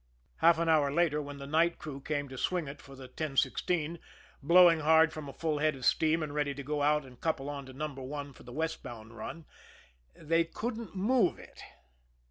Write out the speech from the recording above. Half an hour later, when the night crew came to swing it for the 1016, blowing hard from a full head of steam and ready to go out and couple on to No. 1 for the westbound run, they couldn't move it.